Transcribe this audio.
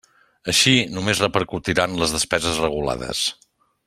Així, només repercutiran les despeses regulades.